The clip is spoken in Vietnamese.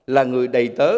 là người đầy tớ